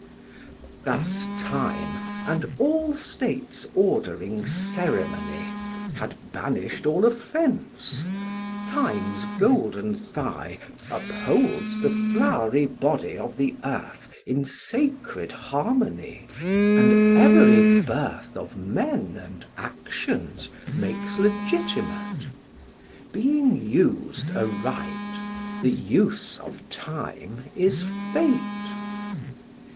Thus Time and all states ordering Ceremony Had banish'd all offence: Time's golden thigh Upholds the flowery body of the earth In sacred harmony, and every birth Of men and actions makes legitimate; Being us'd aright, the use of time is fate.